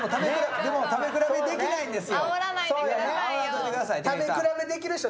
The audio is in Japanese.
でも、食べ比べできないんですよ。